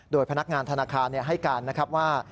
โดยพนักงานธนาคารให้การนะครับว่า